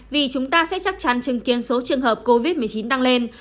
vì chúng ta sẽ chắc chắn chứng kiến số trường hợp covid một mươi chín tăng lên